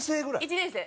１年生！